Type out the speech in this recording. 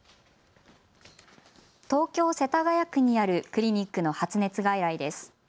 東京・世田谷区にあるクリニックの発熱外来です。